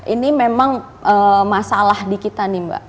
ini memang masalah di kita nih mbak